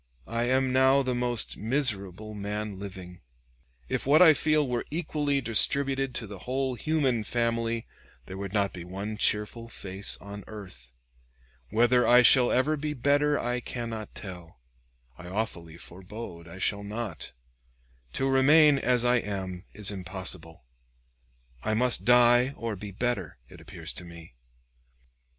I am now the most miserable man living. If what I feel were equally distributed to the whole human family, there would not be one cheerful face on earth. Whether I shall ever be better I cannot tell; I awfully forebode I shall not. To remain as I am is impossible; I must die or be better, it appears to me.